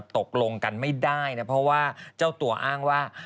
ตกลงกันไม่ได้นะเพราะว่าเจ้าตัวอ้างว่า